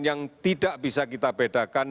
yang tidak bisa kita bedakan